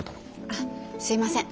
あっすいません。